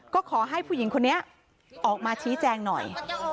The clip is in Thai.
ก็ขอให้ผู้หญิงคนนี้ออกมาชี้แจงหน่อย